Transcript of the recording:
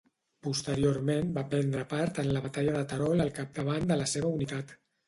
Posteriorment va prendre part en la batalla de Terol al capdavant de la seva unitat.